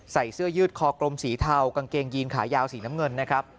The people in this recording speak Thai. เสื้อยืดคอกลมสีเทากางเกงยีนขายาวสีน้ำเงินนะครับ